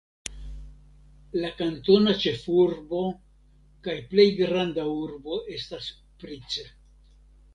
La kantona ĉefurbo kaj plej granda urbo estas Price.